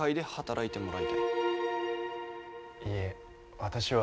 いいえ私は。